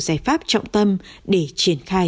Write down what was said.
giải pháp trọng tâm để triển khai